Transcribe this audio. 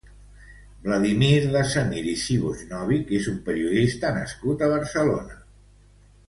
Vladimir de Semir i Zivojnovic és un periodista nascut a Barcelona.